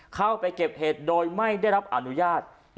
เข้าไปเก็บเห็ดโดยไม่ได้รับอนุญาต